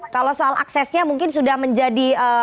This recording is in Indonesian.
kalau soal aksesnya mungkin sudah menjadi